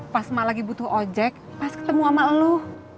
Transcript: pas ibu lagi butuh ojek pas ketemu sama ibu